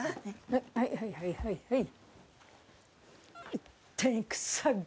はいはいはいはいはい。